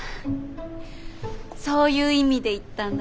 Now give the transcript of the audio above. そういう意味で言ったんだ？